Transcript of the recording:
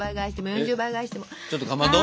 ちょっとかまど？